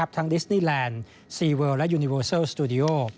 ทั้งดิสนีแลนด์ซีเวิลและยูนิเวอร์เซิลสตูดิโอ